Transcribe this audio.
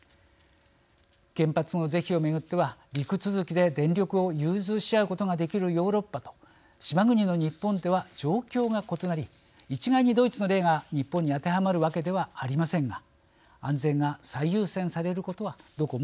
原発の是非を巡っては陸続きで電力を融通し合うことができるヨーロッパと島国の日本では状況が異なり一概にドイツの例が日本に当てはまるわけではありませんが安全が最優先されることはどこも同じです。